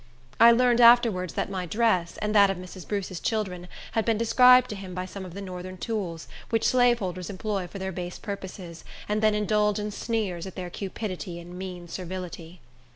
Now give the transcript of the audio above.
I learned afterwards that my dress, and that of Mrs. Bruce's children, had been described to him by some of the Northern tools, which slaveholders employ for their base purposes, and then indulge in sneers at their cupidity and mean servility.